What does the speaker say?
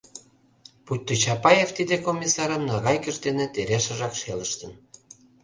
Пуйто Чапаев тиде комиссарым нагайкыж дене терешыжак шелыштын...